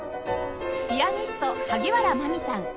ピアニスト萩原麻未さん